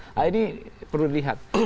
nah ini perlu dilihat